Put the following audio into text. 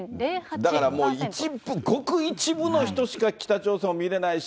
だからもう、一部、ごく一部の人しか北朝鮮を見れないし、